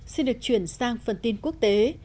xin được chuyển sang phần tin quốc tế